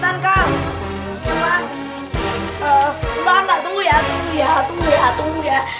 tunggu kak tunggu ya tunggu ya tunggu ya